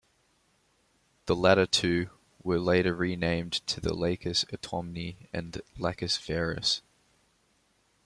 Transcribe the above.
The later two were later renamed to the Lacus Autumni and Lacus Veris.